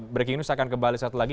breaking news akan kembali satu lagi